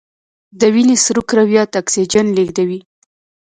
د وینې سره کرویات اکسیجن لیږدوي